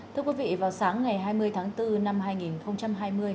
thưa quý vị vào sáng ngày hai mươi tháng bốn năm hai nghìn hai mươi